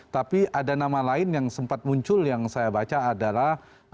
tapi ada nama lain yang sempat muncul yang saya baca adalah